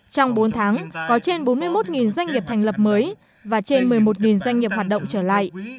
trong bốn tháng có trên bốn mươi một doanh nghiệp thành lập mới và trên một mươi một doanh nghiệp hoạt động trở lại